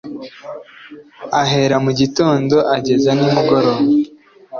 ahera mu gitondo ageza nimugoroba